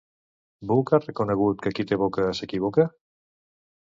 Buch ha reconegut que qui té boca s'equivoca?